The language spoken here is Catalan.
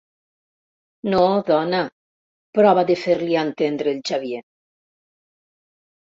No, dona —prova de fer-li entendre el Xavier—.